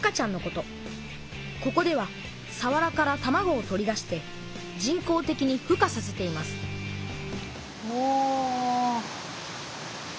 ここではさわらからたまごを取り出して人工的にふ化させていますおちっちゃい。